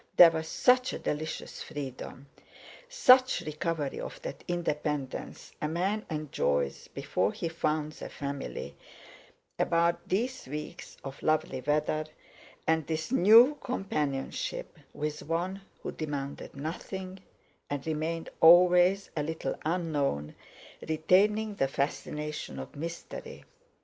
There was such a delicious freedom, such recovery of that independence a man enjoys before he founds a family, about these weeks of lovely weather, and this new companionship with one who demanded nothing, and remained always a little unknown, retaining the fascination of mystery.